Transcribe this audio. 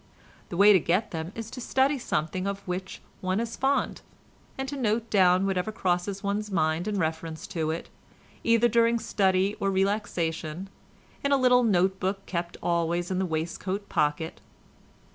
The way to get them is to study something of which one is fond, and to note down whatever crosses one's mind in reference to it, either during study or relaxation, in a little note book kept always in the waistcoat pocket.